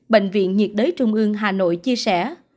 bệnh viện nhiệt đới trung ương hà nội chia sẻ